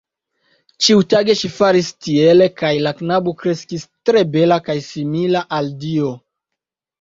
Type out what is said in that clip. Ĉiutage ŝi faris tiele kaj la knabo kreskis tre bela kaj simila al dio.